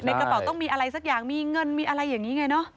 กระเป๋าต้องมีอะไรสักอย่างมีเงินมีอะไรอย่างนี้ไงเนอะ